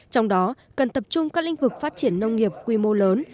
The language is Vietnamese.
trong đó cần tập trung các lĩnh vực phát triển nông nghiệp quy mô lớn